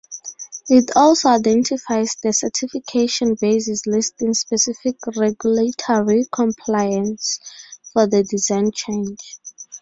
It also identifies the certification basis listing specific regulatory compliance for the design change.